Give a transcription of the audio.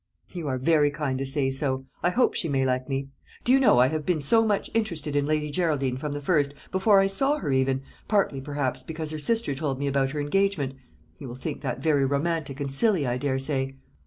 "You are very kind to say so. I hope she may like me. Do you know, I have been so much interested in Lady Geraldine from the first, before I saw her even partly, perhaps, because her sister told me about her engagement. You will think that very romantic and silly, I daresay."